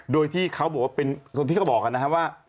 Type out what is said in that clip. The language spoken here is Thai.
โดยที่เขาบอกว่าเป็นคนที่เขาบอกกันนะครับว่า